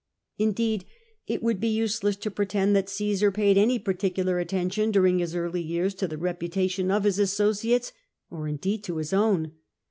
Indeed, it would be useless to pretend that Cmsar paid any particular attention during his early years to the reputation of his associates, or indeed to his own.